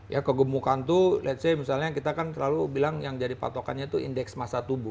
ya kegemukan tuh let's say misalnya kita kan selalu bilang yang jadi patokannya tuh indeks masa tubuh